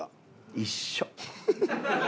一緒。